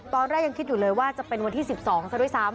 ตอนแรกยังคิดอยู่เลยว่าจะเป็นวันที่๑๒ซะด้วยซ้ำ